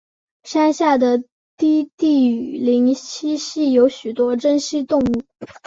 山下的低地雨林栖息有许多珍稀动物。